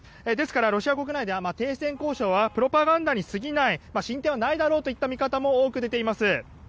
ですからロシア国内では停戦交渉はプロパガンダに過ぎない進展はないだろうという見方が多く出ています。